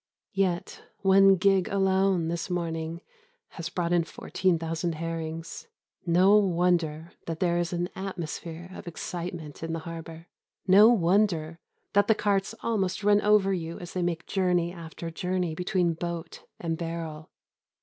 Yet one gig alone this morning has brought in fourteen thousand herrings. No wonder that there is an atmosphere of excitement in the harbour. No wonder that the carts almost run over you as they make journey after journey between boat and barrel.